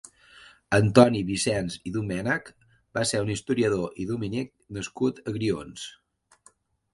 Antoni Vicenç Domènec va ser un historiador i dominic nascut a Grions.